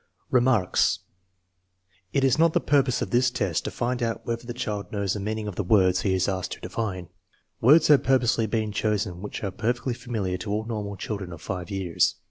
Remarks. It is not the purpose of this test to find out whether the child knows the meaning of the words he is asked to define. Words have purposely been chosen which are perfectly familiar to all normal children of 5 years.